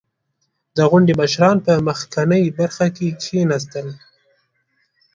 • د غونډې مشران په مخکینۍ برخه کښېناستل.